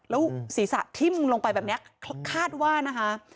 แล้วศีรษะทิ้มลงไปแบบนี้คาดว่านะคะ